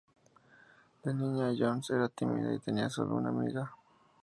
De niña, Jones era tímida y tenía sólo una amiga.